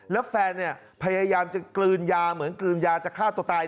แล้วแฟนเนี่ยพยายามจะกลืนยาเหมือนกลืนยาจะฆ่าตัวตาย